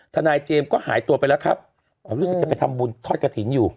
ทนายเจมส์ก็หายตัวไปแล้วครับอ๋อรู้สึกจะไปทำบุญทอดกระถิ่นอยู่